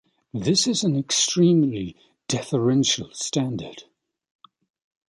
This is an extremely deferential standard.